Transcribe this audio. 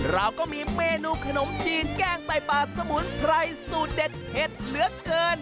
เราก็มีเมนูขนมจีนแกงไต่ป่าสมุนไพรสูตรเด็ดเผ็ดเหลือเกิน